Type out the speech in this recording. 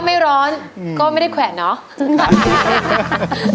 ถ้าไม่ร้อนก็ไม่ได้แขวนเหรอ